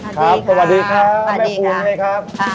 ครับสวัสดีครับแม่ฟูนไงครับค่ะสวัสดีค่ะสวัสดีค่ะ